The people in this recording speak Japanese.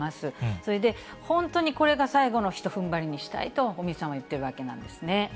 それで、本当にこれが最後のひとふんばりにしたいと、尾身さんは言ってるわけなんですね。